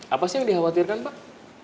apa sih yang dikhawatirkan pak